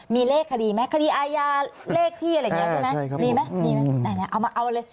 มีเลขคดีเหรอคดีอายาเลขที่มีไหมเอาเลย